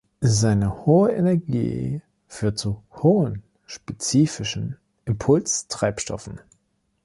Seine hohe Energie führt zu hohen spezifischen Impulstreibstoffen.